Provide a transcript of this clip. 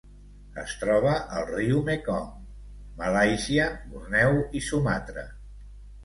Es troba al riu Mekong, Malàisia, Borneo i Sumatra.